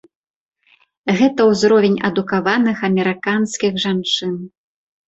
Гэта ўзровень адукаваных амерыканскіх жанчын.